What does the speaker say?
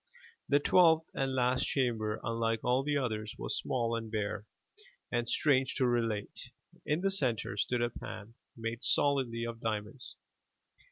The twelfth and last chamber unlike all the others was small and bare, and, strange to relate, in the center stood a pan, made solidly of diamonds.